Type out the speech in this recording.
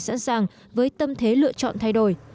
sẵn sàng với tâm thế lựa chọn thay đổi